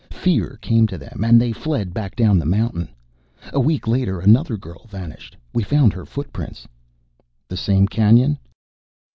Fear came to them and they fled back down the mountain. A week later another girl vanished. We found her footprints." "The same canyon?"